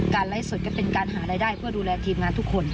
ไลฟ์สดก็เป็นการหารายได้เพื่อดูแลทีมงานทุกคน